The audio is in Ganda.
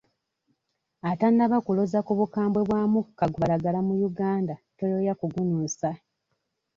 Atannaba kuloza ku bukaawu bwa mukka gubalagala mu Uganda toyoya kugunuusa.